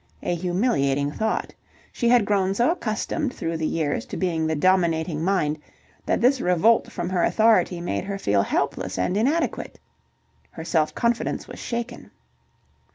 A humiliating thought. She had grown so accustomed through the years to being the dominating mind that this revolt from her authority made her feel helpless and inadequate. Her self confidence was shaken.